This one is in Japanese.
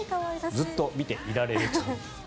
ずっと見ていられると。